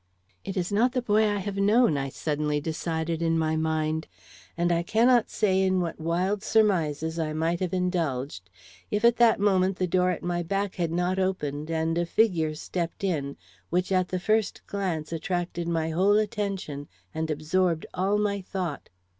"It is not the boy I have known," I suddenly decided in my mind; and I cannot say in what wild surmises I might have indulged, if at that moment the door at my back had not opened and a figure stepped in which at the first glance attracted my whole attention and absorbed all my thought.